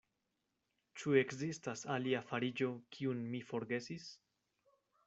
Ĉu ekzistas alia fariĝo, kiun mi forgesis?